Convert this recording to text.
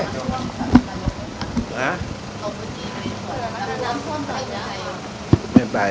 สวัสดีครับ